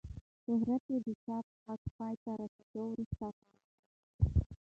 شهرت یې د چاپ حق پای ته رسېدو وروسته پراخ شو.